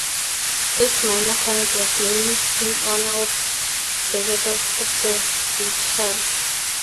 This minor planet was named in honor of the Bergedorf Observatory.